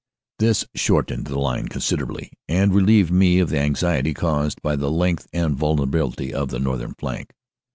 "This shortened the line considerably and relieved me of the anxiety caused by the length and vulnerability of the north ern flank.